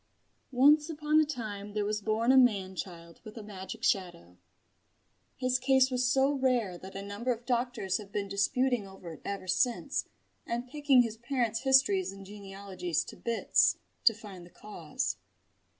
Once upon a time there was born a man child with a magic shadow. His case was so rare that a number of doctors have been disputing over it ever since and picking his parents' histories and genealogies to bits, to find the cause.